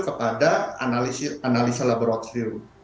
kepada analisa laboratorium